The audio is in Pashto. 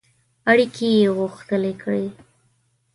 اړیکي غښتلي کړي.